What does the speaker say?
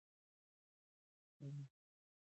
سردار له خپلو غازیانو سره ځارلې.